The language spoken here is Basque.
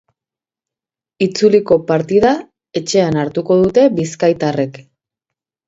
Itzuliko partida etxean hartuko dute bizkaitarrek.